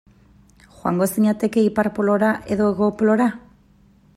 Joango zinateke Ipar Polora edo Hego Polora?